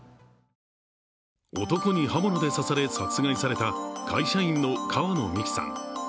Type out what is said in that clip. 男に刃物で刺され殺害された会社員の川野美樹さん。